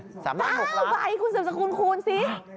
๓ล้าน๖ล้าน๙ใบคุณสมสมคุณคูณสิ